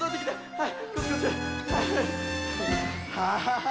はい！